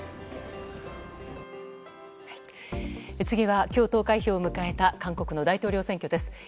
次は今日投開票日を迎えた韓国の大統領選挙です。